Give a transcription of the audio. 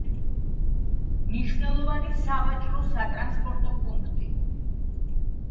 მნიშვნელოვანი სავაჭრო-სატრანსპორტო პუნქტი.